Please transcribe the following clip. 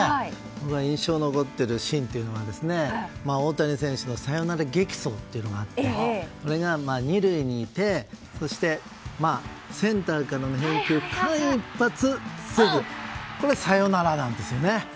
僕が印象に残っているシーンは大谷選手のサヨナラ激走というのがあってこれが２塁にいて、そしてセンターからの返球に間一髪セーフでこれ、サヨナラなんですよね。